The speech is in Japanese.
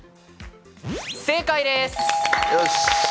正解です。